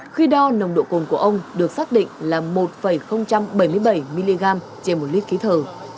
khi đo nồng độ cồn của ông được xác định là một bảy mươi bảy mg trên một lít khí thở